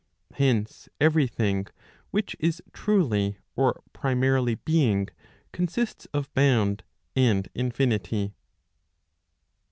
Hence every thing which is truly £or primarily] being consists of bound and infinity.